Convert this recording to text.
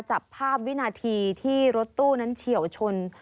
จับภาพวินาทีที่รถตู้นั้นเฉียวชน